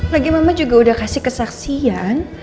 lagi mama juga udah kasih kesaksian